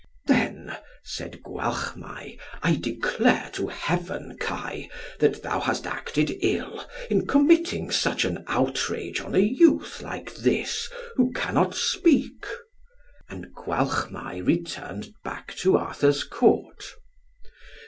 "Then," said Gwalchmai, "I declare to Heaven, Kai, that thou hast acted ill in committing such an outrage on a youth like this, who cannot speak." And Gwalchmai returned back to Arthur's Court.